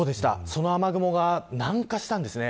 その雨雲が南下したんです。